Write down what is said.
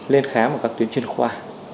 lên khám ở các tuyến chuyên khoa